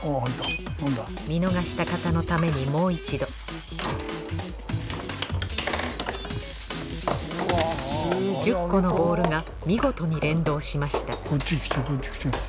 見逃した方のためにもう一度１０個のボールが見事に連動しました